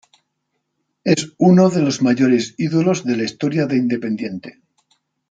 Es uno de los mayores ídolos de la historia de Independiente.